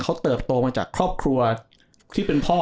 เขาเติบโตมาจากครอบครัวที่เป็นพ่อ